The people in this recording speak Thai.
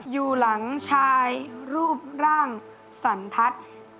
อยู่หลังชายรูปร่างสันทัศน์